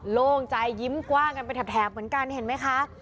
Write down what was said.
โล่งใจยิ้มกว้างกันไปแถบเหมือนกันเห็นไหมคะ